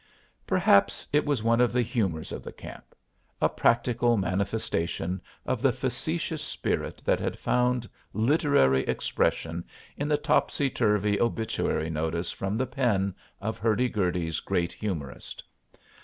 Perhaps it was one of the humors of the camp a practical manifestation of the facetious spirit that had found literary expression in the topsy turvy obituary notice from the pen of Hurdy Gurdy's great humorist.